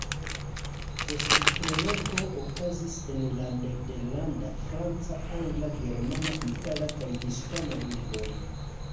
Festprelego okazis en la nederlanda, franca, angla, germana, itala kaj hispana lingvoj.